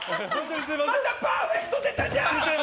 またパーフェクト出たじゃん！